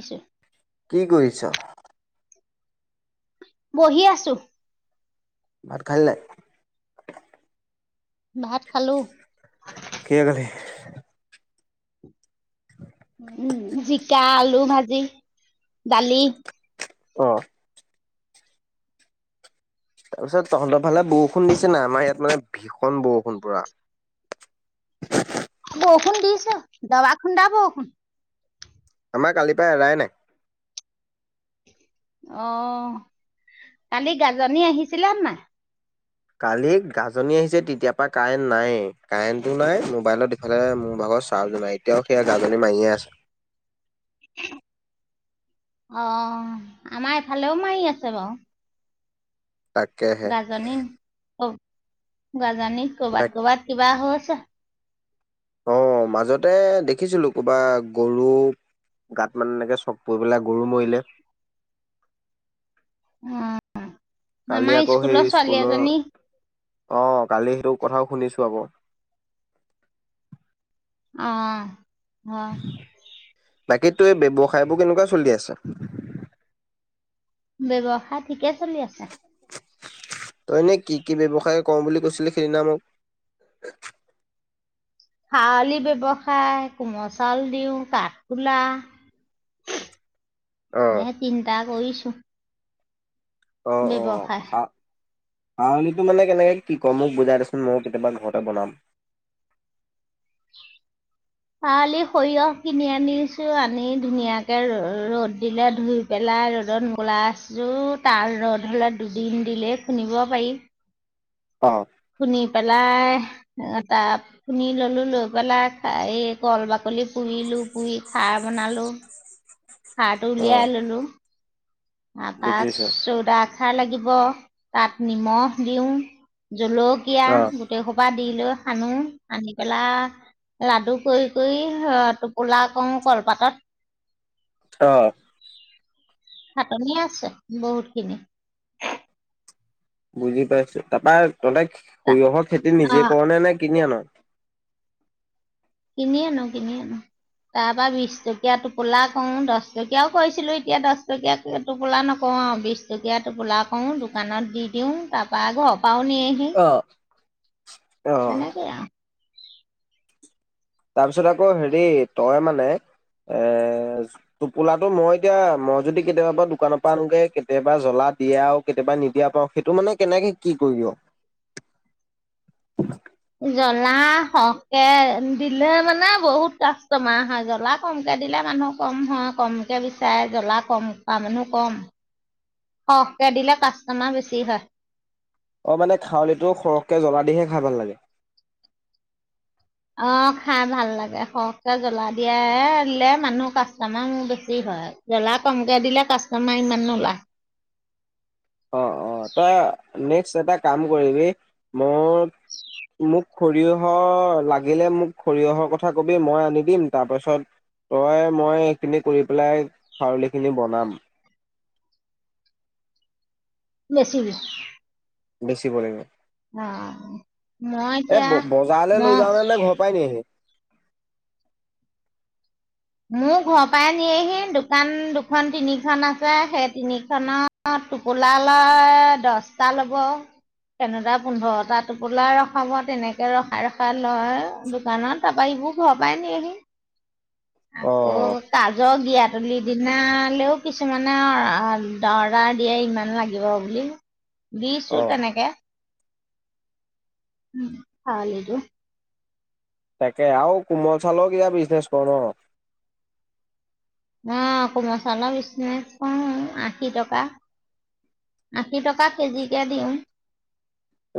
আছা কি কৰিছ বহি আছো ভাত খালি নাই ভাত খালো। কিহে খালি? উম জিকা আলু ভাজি ডালি অ। তাৰপিছত তহঁতৰ ফালে বৰষুণ দিছে নাই? আমাৰ ইয়াত মানে ভীষণ বৰষুণ পুৰা। বৰুখুন দিছ দাবাখুন্দা বৰুখুন। আমাৰ কালিৰ পৰা এৰাই নাই। অ কালি গাজনী আহিছিলে নে নাই? কালি গাজনি আহিছে তেতিয়াৰ পৰা কাৰেন্ট নাই, কাৰেণ্টটো নাই মোবাইলত ইফালে মোৰ ভাগৰ চাজ নাই এতিয়াও সেইয়া গাজনী মাৰিয়ে আছে। অ আমাৰ এফালেও মাৰি আছে বাও। তাকেহে গাজনী অ গাল জানি কৰ'বাত কৰ'বাত কিবা হ' [unintelligible] আহ মাজতে দেখিছিলো ক'ৰবা গৰু গাত মানে এনেকে চক পৰি পেলাই গৰু মৰিলে। উম্। কালি আকৌ সেই স্কুলৰ অ কালি সেইটো কথাও শুনিছো আক। অ। হ [unintelligible] বাকীতো এই ব্যবসায়বোৰ কেনেকুৱা চলি আছে? ব ব্যৱসায় ঠিকে চলি আছে তই নে কি? কি ব্যৱসায় ক বুলি কৈছিলে সেইদিনা মোক? খাৱলি ব্যৱসায়, কোমল চাউল দিওঁ, কাঠ কোলা অ', ম চিনন্তা কৰি উ [unintelligible] আহ অ ক পাৱলিটো মানে কেনেকে কি কয় মোক বুজাই দেচোন ময়ো কেতিয়াবা ঘৰতে বনাম? পৱলি সৰিয়হ কিনি আনিছোঁ, আনি ধুনীয়াকে ৰ ৰ'দ দিলে ধুই পেলাই ৰ'দত মলাই আছো তাৰ ৰ'দ হ'লে দুদিন দিলেই খুন্দিব পাৰি। অ। খুন্দি পেলাই এটা খুন্দি ললোঁ লৈ পেলাই এই কল বাকলি পুৰিলো পুৰি খাৰ বনালোঁ সাৰটো অ উলিয়াই ললো, তাৰপা বুজিছো চৌদা আখাৰ লাগিব তাত নিমখ দিওঁ। জলকীয়া অ', গোটেই দি লৈ সানো সানি পেলাই লাডু কৰি কৰি টোপোলা কৰো কলপাতত। অ। খাটনি আছে বহুত খিনি। বুজি পাইছো তাৰপৰা তহতে তা- সৰিয়হৰ খেতি নিজে অ' কৰ নে নে কিনি আন? কিনি আনোঁ কিনি আনোঁ। তাৰ পৰা বিশ টকীয়া টোপোলা কৰোঁ, দহ টকীয়াও কৰিছিলোঁ, এতিয়া দহ টকীয়া টোপোলা নকৰোঁ, বিশ টকীয়া টোপোলা কৰোঁ। দোকানত দি দিওঁ তাৰ পৰা আকৌ পাও, নিয়েহি। অ', অ তেনেকেই আও। তাৰ পিছত আকৌ হেৰি, তই মানে, এ, টোপোলাটো মই এতিয়া, মই যদি কেতিয়াবা দোকানৰ পৰা আনোগে, কেতিয়াবা জ্বলা দিয়া পাওঁ আৰু কেতিয়াবা নিদিয়া পাওঁ, সেইটো মানে কেনেকে কি কৰি দিয়? জ্বলা সৰহকে দিলে মানে বহুত কাষ্টমাৰ হয়, জ্বলা কমকে দিলে মানুহ কম হয়, কমকে বিচাৰে, জ্বলা কমকে খোৱা মানুহ কম। সৰহকে দিলে কাষ্টমাৰ বেছি হয়। অ' মানে খউলিটো সৰহকে জ্বলা দিহে খাই ভাল লাগে। অ খাই ভাল লাগে, সৰহকে জ্বলা দিয়া, দিলে মানুহ কাষ্টমাৰ বেছি হয়। জ্বলা কমকে দিলে কাষ্টমাৰ ইমান নোলায়। অ' অ' তই নেক্স এটা কাম কৰিবি, মোৰ, মোক সৰিয়হ লাগিলে, মোক সৰিয়হৰ কথা কবি, মই আনি দিম। তাৰপাছত তই মই সেইখিনি কৰি পেলাই খউলিখিনি বনাম। বেছিবি? বেছিব লাগিব। অ মই এ এতিয়া, বজাৰলৈ লৈ মই যাও নে নে ঘৰ পৰাই নিয়েহি মোৰ ঘৰৰ পৰাই নিয়েহি, দোকান দুখন তিনিখন আছে, সেই তিনিখনত টোপোলা লয়, দহটা ল'ব তেনেটা পোন্ধৰটা টোপোলা ৰখাব, তেনেকে ৰখাই ৰখাই লয় দোকানত। তাৰপা সিবোৰ ঘৰৰ পৰাই নিয়েহি। অ আকৌ কাজৰ গিয়াত পাতলি দিনালৈও কিছুমানে অৰ্ডাৰ দিয়ে ইমান লাগিব বুলি। অ দিছোঁ তেনেকে উম খাউলীটো। তাকে আৰু কোমল চউালৰ কিবা বিজনেছ কৰ ন? অ' কুমল চাউলৰ বিচনেছ‌ কওঁ। আশী টকা, আশী টকা কেজিকে দিওঁ।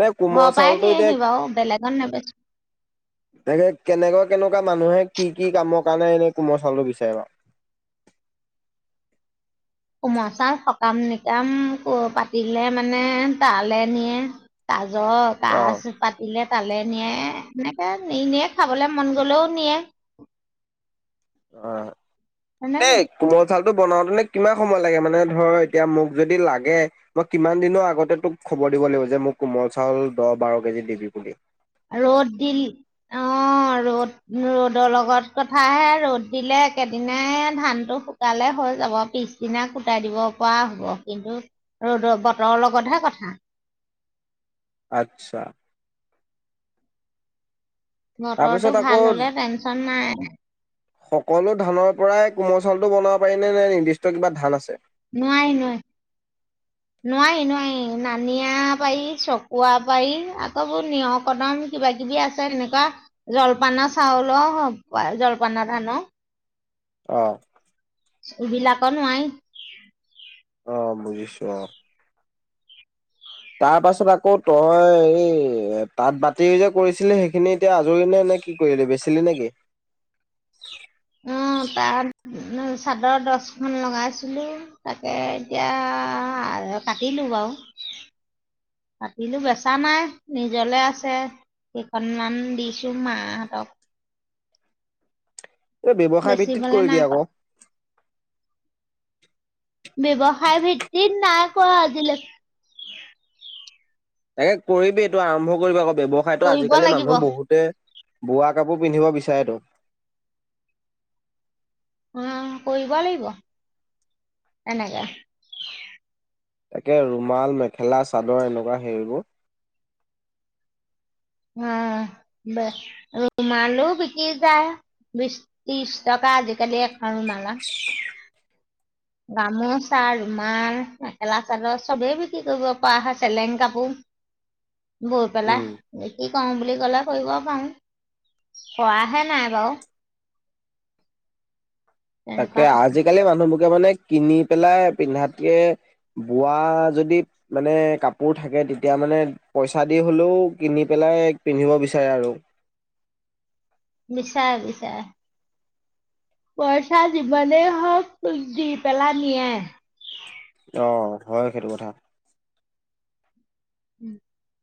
এ কোমল ঘৰৰ পৰাই চাউলটো এতিয়া নিয়েহি বাৰু বেলেগত নেবেচো দেগে কেনেকুৱা, কেনেকুৱা মানুহে কি কি কামৰ কাৰণে এনেই, কুমল চাউলটো বিচাৰে বাৰু? কুমল চাউল স কাম নিকাম পাতিলে মানে তালৈ নিয়ে জ কাজ পাতিলে তালে নিয়ে, এনেকে নি নিয়ে, খাবলে মন গলেও নিয়ে। অ' সেনেকে দেই, কুমলচাউল টো বনাওতেনে কিমান সময় লাগে, মানে ধৰ এতিয়া মোক যদি লাগে, মই কিমান দিনৰ আগতে তোক খবৰ দিব লাগিব যে, মোক কুমল চাউল দহ বাৰ কেজি দিবি বুলি। ৰ'দ দিল, অ'হ ৰ'দ ৰ'দৰ লগত কথাহে। ৰ'দ দিলে একেদিনাই ধানটো শুকালে হৈ যাব। পিছদিনা কুটাই দিব পৰা হ'ব, কিন্তু ৰদৰ বতৰৰ লগতহে কথা। আচ্ছা। বটৰটো তাৰপিছত আকৌ ভাল হ'লে টেনচন নাই। সকলো ধানৰ পৰাই কোমল চাউলটো বনাব পাৰি নে, নে নিৰ্দিষ্ট কিবা ধান আছে? নোৱাৰি, নোৱাৰি, নোৱাৰি, নোৱাৰি, নানিয়া পাৰি, চকুৱা পাৰি, আকৌ এইবোৰ নিয়ৰ কদম কিবা কিবি আছে তেনেকুৱা, জলপানৰ চাউলৰ জলপানৰ ধানৰ অ'হ! ইবিলাকৰ নোৱাৰি। অ' বুজিছোঁ অ'! তাৰ পাছত আকৌ তই এই তাঁত বতি যে কৰিছিলি, সেইখিনি এতিয়া আজৰি নে, নে কি কৰিলি বেচিলি নেকি? অ' তাঁত চাদৰ দহখন লগাইছিলোঁ তাকে এতিয়া কাটিলোঁ বাৰু। কাটিলো‍ঁ বেচা নাই। নিজৰলে আছে, কেইখনমান দিছোঁ মাহঁতক। এইটো ব্যৱসায় ভিত্তিত বেচিবলে নাই কৰিবি কৰা আকৌ। ব্যৱসায় ভিত্তিত নাই কৰা আজিলৈকে। তাকে কৰিবি এইটো আৰম্ভ কৰিবি আকৌ। ব্যৱসায়তটো কৰিব আজিকালি লাগিব মানুহ অ বহুতে বোৱা কাপোৰ পিন্ধিব বিচাৰে তো অ কৰিব লাগিব এনেকে তাকে ৰুমাল মেখেলা চাদৰ এনেকুৱা হেৰিবোৰ অ দে ৰুমালো বিকি যায় বিশ ত্ৰিশ টকা আজিকালি এখন ৰুমালৰ গামোচা ৰুমাল মেখেলা চাদৰ চবেই বিক্ৰী কৰিব পৰা হয় চেলেং কাপোৰ বৈ উম, পেলাই। কওঁ বুলি কলে কৰিব পাৰে কৰাহে নাই বাৰু তাকে তেনেকুৱা কথা আজিকালি মানুহবোৰ মানে কিনি পেলাই পিন্ধাে বোৱা যদি মানে কাপোৰ থাকে তেতিয়া মানে পইচা দি হ'লেও কিনি পেলাই পিন্ধিব বিচাৰে আৰু বিচাল বিচাল পইচা যিমানেই হওক ত দি পেলেই নিয়ে অ হয় সেইটো কথা। [unintelligible]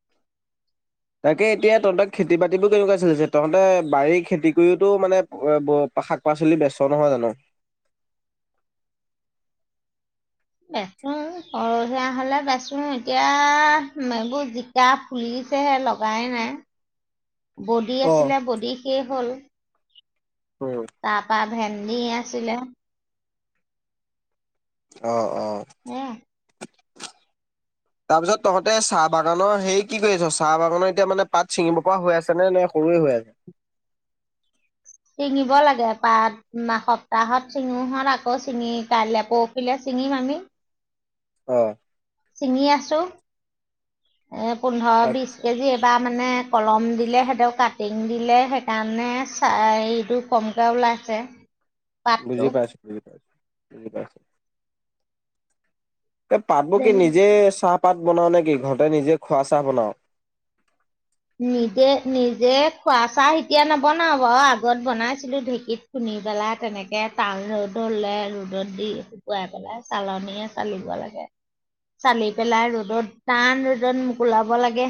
তাকে এতিয়া তহঁতক খেতি বাতিবোৰ কেনেকুৱা চলিছে তহঁতে বাৰী খেতি কৰিওতো মানে শাক পাচলি বেচ নহয় জানো? বেচো সৰহীয়া হলে বেচো এতিয়া এইবোৰ জিকা ফুলিছেহে লগাই নাই? বডি অ', আছিলে বডি শেষ হ'ল। উম, তৰপা ভেন্দি আছিলে। অহ এয়া। তাৰপিছত তহঁতে চাহ বাগানৰ হেই কি কৰি আছ চাহ বাগানৰ এতিয়া মানে পাত ছিঙিব পৰা হৈ আছে নে নে সৰুৱে হৈ আছে? চিঙিব লাগে পাত সপ্তাহত চিঙোহত আকৌ ছিঙি কাইলৈ পৰখিলে ছিঙিম আমি অ ছিঙি আছো। এই পোন্ধৰ বিশ আচ্ছা কেজি এইবাৰ মানে কলম দিলে সিহঁক কাটিং দিলে সেইকাৰণে চাহ এইটো কমকৈ ওলাইছে। পাতটো বুজি পাইছো বুজি পাইছো। ঠিক আছে। এই পাতবোৰ কি নিজে চাহপাত বনাও নেকি ঘৰতে নিজে খোৱা চাহ বনাও। নিজে নিজে খোৱা চাহ এতিয়া নবনাও বাৰু আগত বনাইছিলো ঢেঁকীত খুন্দি পেলাই তেনেকে তাল ৰ'দ হলে ৰ'দত দি শুকুৱাই পেলাই চালনীয়ে চালিব লাগে চালি পেলাই ৰ'দত টান ৰ'দত মোকোলাব লাগে।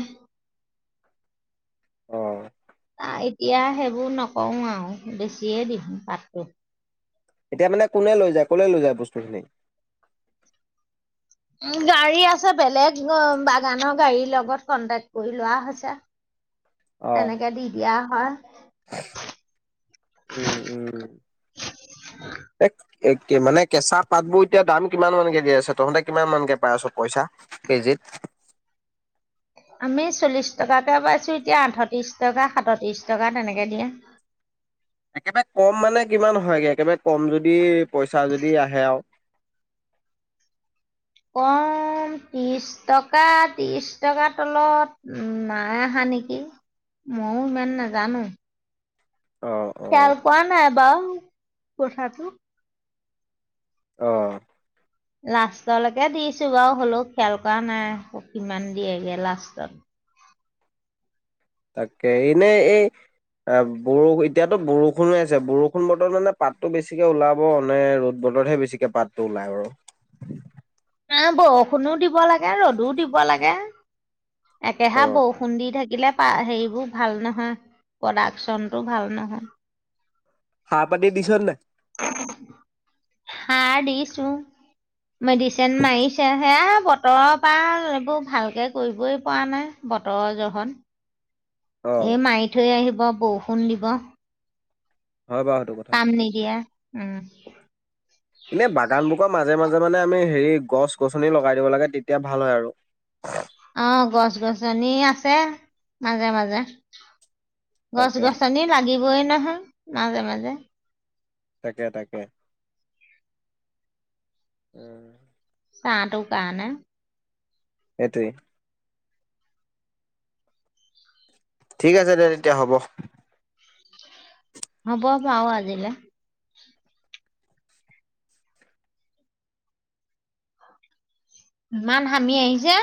অ এতিয়া সেইবোৰ নকৰো আৰু বেছিয়ে দিম পাতটো। এতিয়া মানে কোনে লৈ যায় কলৈ লৈ যায় বস্তু খিনি। উ গাড়ী আছে বেলেগ বাগানৰ গাড়ীৰ লগত কন্টেক্ট কৰি লোৱা হৈছে। অ', তেনেকে দি দিয়া। হা উম উম এ মানে কেঁচা পাতবোৰ এতিয়া দাম কিমান মানকে দি আছে তহঁতে কিমান মানকে পাই আছ পইচা কেজিত। আমি চল্লিশ টকাকে পাইছো এতিয়া আঠত্ৰিশ টকা সাতত্ৰিশ টকা তেনেকে দিয়া। একেবাৰে কম মানে কিমান হয়গে একেবাৰে কম যদি পইচা যদি আহে আও। কম ত্ৰিশ টকা ত্ৰিশ টকাৰ তলত নাই অহা নেকি ময়ো ইমান নাজানো। অ', অ', খেল কোৱা নাই বা। কঠটো। অহ। লাষ্টলৈকে দিছো বাৰু হ'লেও খয়াল কৰা নাই কিমান দিয়েগে লাষ্টত। তাকে এনেই এই বৰষু এতিয়াতো বৰষুণ আছে বৰষুণ বতৰত মানে পাতটো বেছিকে ওলাব নে ৰ'দ বতৰতহে বেছিকে পাতটো ওলায় বাৰু। অ বৰষুণও দিব লাগে ৰ'দোও দিব লাগে। অ। একেহা বৰষুণ দি থাকে। কিলে প হেৰিবোৰ ভাল নহয় প্ৰডাকশচন টো ভাল নহয়। হা পতি দিছৰ নাই! সাৰ দিছো মেডিচিন মাৰিছে সেয়া বতৰৰ পৰা এইবোৰ ভালকে কৰিবই পৰা নাই বতৰৰ জহত। অ এই মাই থৈ আহিব। বা বৌ শুন দিব। হয় বাৰু সেইটো কথা। কাম নিদিয়ে, উম। এনে বাগান বোৰকৰৰ মাজে মাজে মানে আমি হেৰি। গছ গছনি লগাই দিব লাগে তেতিয়া ভাল হয় আৰু। অ গছ গছনি আছে মাজে মাজে। গছ তাকে গছনি লাগিব। গৈ নহয় মাজে মাজে। তাকে তাকে উ। কাহ তও কাৰনে। এইটোৱেই। ঠিক আছে দে তেতিয়া হ'ব। হ বব আজিলে। ইমান হামি আহিছে।